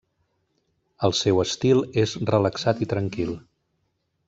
El seu estil és relaxat i tranquil.